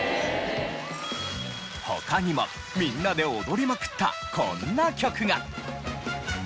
他にもみんなで踊りまくったこんな曲が。